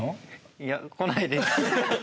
いや来ないです。